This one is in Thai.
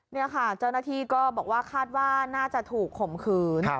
นี่ค่ะเจ้าหน้าที่ก็บอกว่าคาดว่าน่าจะถูกข่มขืน